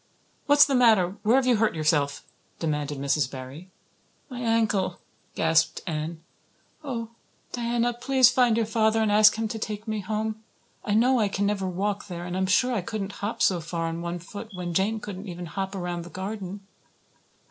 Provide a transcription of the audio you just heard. "What's the matter? Where have you hurt yourself?" demanded Mrs. Barry. "My ankle," gasped Anne. "Oh, Diana, please find your father and ask him to take me home. I know I can never walk there. And I'm sure I couldn't hop so far on one foot when Jane couldn't even hop around the garden."